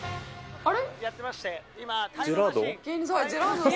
あれ？